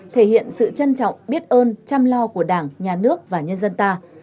thể hiện sự trân trọng biết ơn chăm lo của đảng nhà nước và nhân dân ta